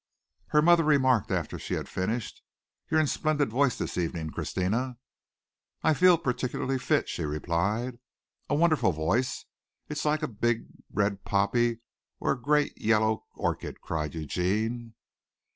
Her mother remarked after she had finished, "You're in splendid voice this evening, Christina." "I feel particularly fit," she replied. "A wonderful voice it's like a big red poppy or a great yellow orchid!" cried Eugene.